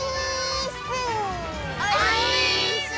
オィーッス！